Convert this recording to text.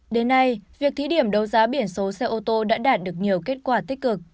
đến nay việc thí điểm đấu giá biển số xe ô tô đã đạt được nhiều kết quả tích cực